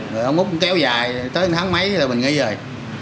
rồi ông út cũng kéo dài tới tháng mấy rồi mình nghĩ rồi